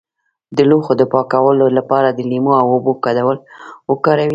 د لوښو د پاکوالي لپاره د لیمو او اوبو ګډول وکاروئ